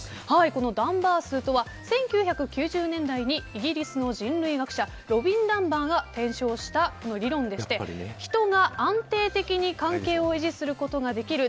このダンバー数とは１９９０年代にイギリスの人類学者ロビン・ダンバーが提唱した理論でして人が安定的に関係を維持することができる